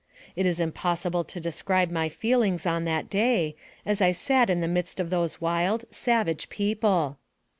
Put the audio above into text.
It is impossible to describe my feelings on that day, as I sat in the midst of those wild, savage people.